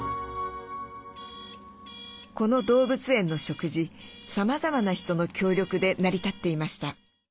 この動物園の食事さまざまな人の協力で成り立っていました。